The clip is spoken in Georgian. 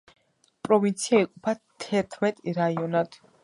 პროვინცია იყოფა თერთმეტ რაიონად.